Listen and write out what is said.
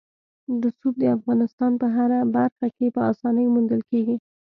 رسوب د افغانستان په هره برخه کې په اسانۍ موندل کېږي.